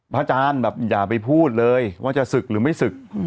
อาจารย์แบบอย่าไปพูดเลยว่าจะศึกหรือไม่ศึก